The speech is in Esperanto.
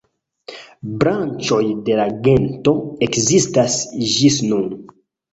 Branĉoj de la gento ekzistas ĝis nun.